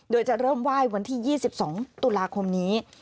โดยจะเริ่มไหว้วันที่๒๒ตุลาคมนี้